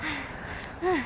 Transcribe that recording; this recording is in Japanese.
うん。